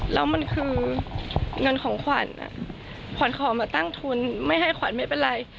แล้วมันคือเงินของขวัญขวัญขอมาตั้งทุนไม่ให้ขวัญไม่เป็นไร